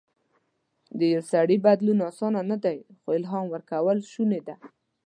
د یو سړي بدلول اسانه نه دي، خو الهام ورکول شونی ده.